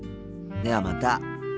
ではまた。